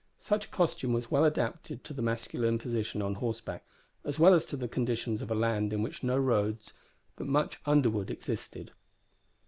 Such a costume was well adapted to the masculine position on horseback, as well as to the conditions of a land in which no roads, but much underwood, existed.